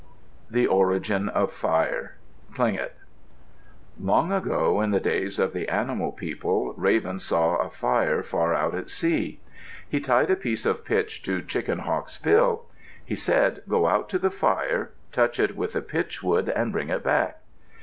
THE ORIGIN OF FIRE Tlingit Long ago, in the days of the animal people, Raven saw a fire far out at sea. He tied a piece of pitch to Chicken Hawk's bill. He said, "Go out to the fire, touch it with the pitchwood, and bring it back."